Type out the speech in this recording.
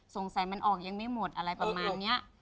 สงสัยมันออกยังไม่หมดอะไรประมาณนี้